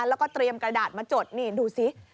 แล้วก็เตรียมกระดาษมาจดนี่ดูสิ